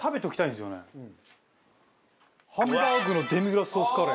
ハンバーグのデミグラスソースカレー。